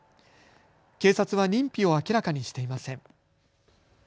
警察は認否を明らかにしていません。